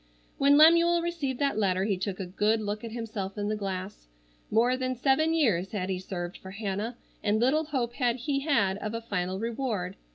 When Lemuel received that letter he took a good look at himself in the glass. More than seven years had he served for Hannah, and little hope had he had of a final reward.